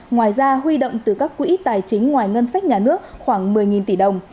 ngoài ra huy động từ các quỹ tài chính ngoài ngân sách nhà nước khoảng một mươi tỷ đồng